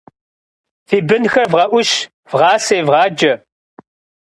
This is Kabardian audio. Фи бынхэр вгъэӀущ, вгъасэ, евгъаджэ.